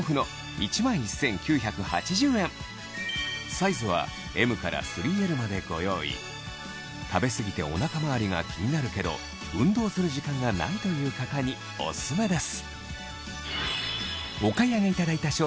サイズはＭから３Ｌまでご用意食べ過ぎてお腹周りが気になるけど運動する時間がないという方にお薦めです